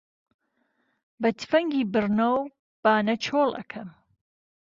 به تفهنگی بڕنهو بانه چۆڵ ئهکهم